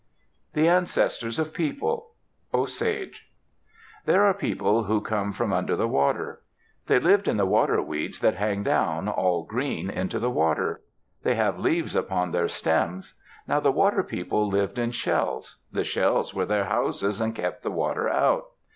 THE ANCESTORS OF PEOPLE Osage There are people who come from under the water. They lived in the water weeds that hang down, all green, into the water. They have leaves upon their stems. Now the water people lived in shells. The shells were their houses and kept the water out.